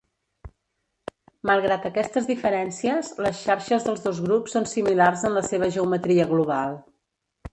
Malgrat aquestes diferències, les xarxes dels dos grups són similars en la seva geometria global.